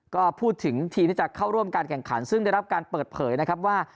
ก็พูดถึงทีมที่จะเข้าร่วมการแข่งขันซึ่งได้รับการเปิดเผยนะครับว่า